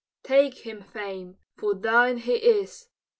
Take him, Fame! for thine he is!